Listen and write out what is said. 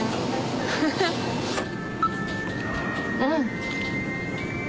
うん。